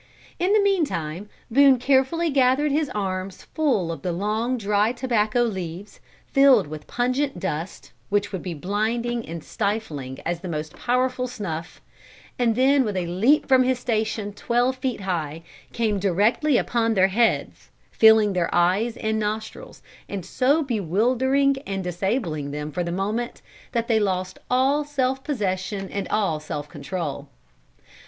In the meantime Boone carefully gathered his arms full of the long, dry tobacco leaves, filled with pungent dust, which would be blinding and stifling as the most powerful snuff, and then with a leap from his station twelve feet high, came directly upon their heads, filling their eyes and nostrils, and so bewildering and disabling them for the moment, that they lost all self possession and all self control.